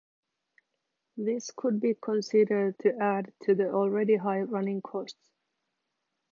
This could be considered to add to the already high running costs.